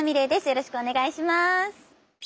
よろしくお願いします。